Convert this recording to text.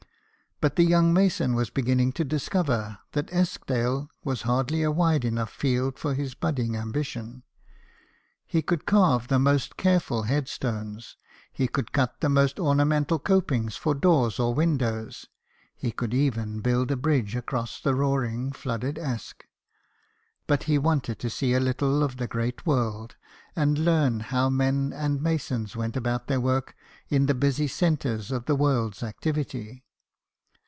But the young mason was beginning to discover that Eskdale was hardly a wide enough field for his budding ambition. He could carve the most careful headstones ; he could cut the most ornamental copings for doors or windows ; he could even build a bridge across the roaring flooded Esk ; but he wanted to see a little of the great world, and learn how men and masons went about their work in the busy THOMAS TELFORD, STONEMASON. 13 centres of the world's activity.